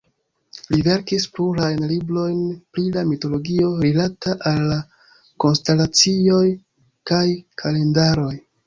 Li verkis plurajn librojn pri la mitologio rilata al la konstelacioj kaj kalendaroj.